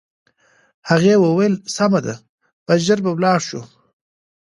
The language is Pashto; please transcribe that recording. هغې وویل: سمه ده، بس ژر به ولاړ شو.